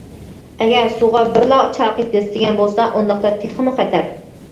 ئەگەر سۇغا بىرلا چاقى دەسسىگەن بولسا ئۇنداقتا تېخىمۇ خەتەر.